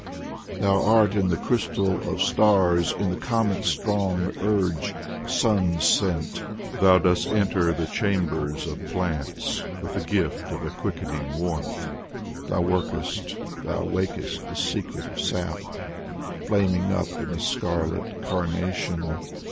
Thou art in the crystal of stars, in the comets* strong urge. Sun sent, thou dost enter the chambers of plants With the gift of a quickening warmth. Thou workest, thou wakest the secret of sap : Flaming up in a scarlet carnation.